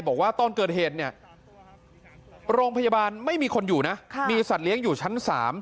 บอกว่าตอนเกิดเหตุเนี่ยโรงพยาบาลไม่มีคนอยู่นะมีสัตว์เลี้ยงอยู่ชั้น๓